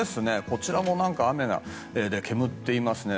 こちらも雨で煙っていますね。